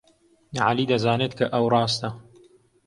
عەلی دەزانێت کە ئەو ڕاستە.